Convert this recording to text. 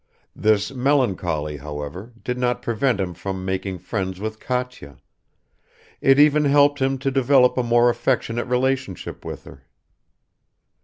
This melancholy, however, did not prevent him from making friends with Katya; it even helped him to develop a more affectionate relationship with her.